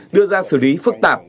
đưa ra xử lý phức tạp